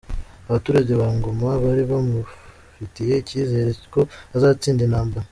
Abaturage ba Goma bari bamufitiye icyizere ko azatsinda intambara.